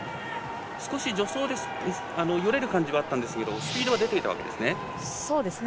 少し助走でよれる感じはあったんですがスピードは出ていたわけですね。